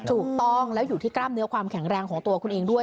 ถูกต้องแล้วอยู่ที่กล้ามเนื้อความแข็งแรงของตัวคุณเองด้วย